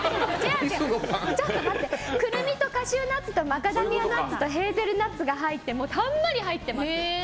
クルミとカシューナッツとマカダミアナッツとヘーゼルナッツがたんまり入っています。